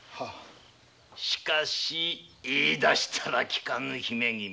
しかし言い出したらきかぬ姫君。